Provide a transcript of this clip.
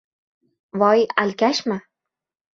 — Voy, alkashmi?